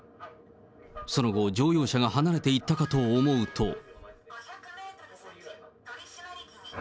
その後、乗用車が離れていったかと思うと。